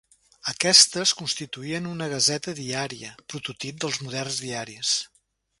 Aquestes constituïen una gaseta diària, prototip dels moderns diaris.